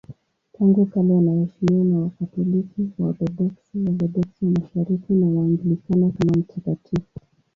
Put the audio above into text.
Tangu kale anaheshimiwa na Wakatoliki, Waorthodoksi, Waorthodoksi wa Mashariki na Waanglikana kama mtakatifu.